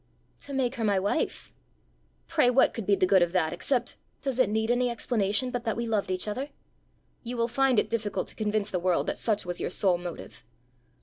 "To make her my wife." "Pray what could be the good of that except ?" "Does it need any explanation but that we loved each other?" "You will find it difficult to convince the world that such was your sole motive."